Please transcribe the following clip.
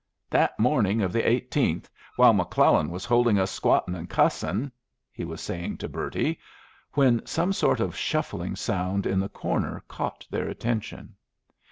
"That morning of the 18th, while McClellan was holdin' us squattin' and cussin'," he was saying to Bertie, when some sort of shuffling sound in the corner caught their attention.